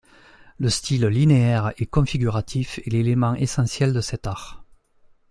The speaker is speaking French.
Le style linéaire et configuratif est l'élément essentiel de cet art.